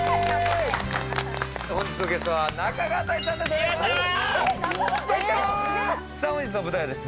本日のゲストは中川大志さんです。